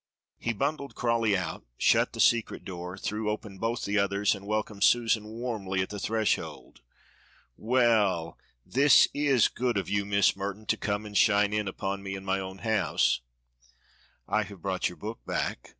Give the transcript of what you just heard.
He bundled Crawley out, shut the secret door, threw open both the others, and welcomed Susan warmly at the threshold. "Well, this is good of you, Miss Merton, to come and shine in upon me in my own house." "I have brought your book back!"